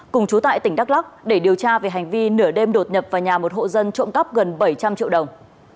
cùng chú tại tỉnh đắk lắc để điều tra về hành vi nửa đêm đột nhập vào nhà một hộ dân trộm cắp gần bảy trăm linh triệu đồng